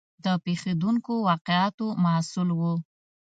د پېښېدونکو واقعاتو محصول و.